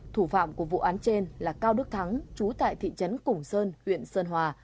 thủ phạm của vụ án trên là cao đức thắng chú tại thị trấn củng sơn huyện sơn hòa